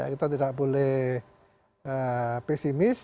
kita tidak boleh pesimis